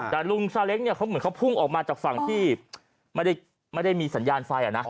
แต่ลุงซาเล้งเนี่ยเขาเหมือนเขาพุ่งออกมาจากฝั่งที่ไม่ได้มีสัญญาณไฟนะ